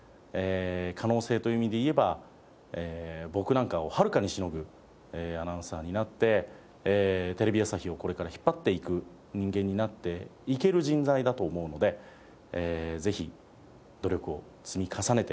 可能性という意味で言えば僕なんかをはるかにしのぐアナウンサーになってテレビ朝日をこれから引っ張っていく人間になっていける人材だと思うのでぜひ努力を積み重ねてください。